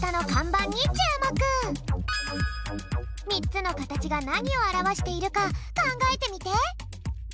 ３つのかたちがなにをあらわしているかかんがえてみて。